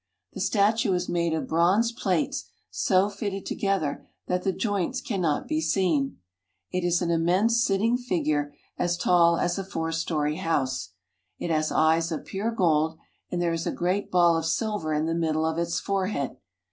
The statue is made of bronze plated so fitted together that the joints cannot be seen. It is an immense sitting figure as tall as a four story house. It has eyes of pure gold, and there is a great ball of silver in the middle of its forehead.